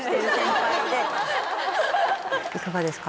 いかがですか？